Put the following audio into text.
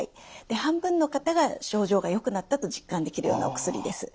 で半分の方が症状がよくなったと実感できるようなお薬です。